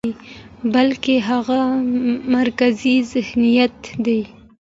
بلکې هغه مرکزي ذهنيت دى،